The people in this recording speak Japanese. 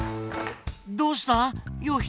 どうした？よ